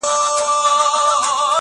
شکر وباسمه خدای ته په سجده سم-